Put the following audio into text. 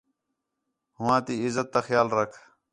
ہو ہاں تی عِزت تا خیال رکھ